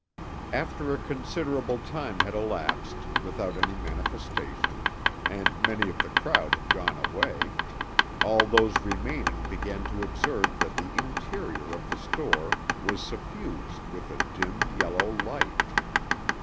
After a considerable time had elapsed without any manifestation, and many of the crowd had gone away, all those remaining began to observe that the interior of the store was suffused with a dim, yellow light.